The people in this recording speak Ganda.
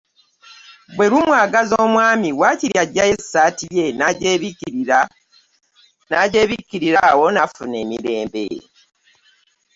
Bwe lumwagaza omwami, waakiri aggyayo essaati ye n’agyebikkirira, awo n’afuna emirembe.